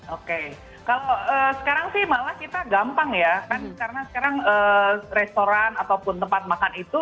oke kalau sekarang sih malah kita gampang ya kan karena sekarang restoran ataupun tempat makan itu